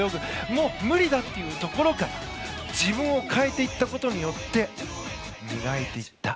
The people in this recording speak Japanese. もう無理だというところから自分を変えていったことによって磨いていった。